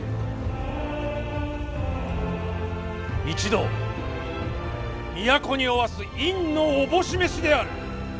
一同都におわす院のおぼし召しである。